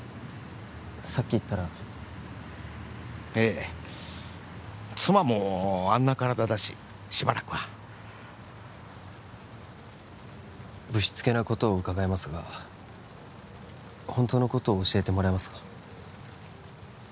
さっき行ったらええ妻もあんな体だししばらくはぶしつけなことを伺いますがホントのことを教えてもらえますか？